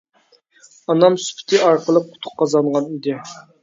ئانام سۈپىتى ئارقىلىق ئۇتۇق قازانغان ئىدى.